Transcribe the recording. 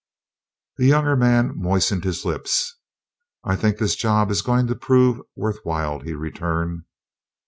The younger man moistened his lips. "I think this job is going to prove worth while," he returned.